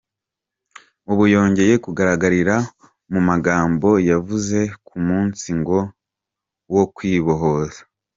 Ubu yongeye kugaragarira mu magambo yavuze ku munsi ngo wo kwibohoza.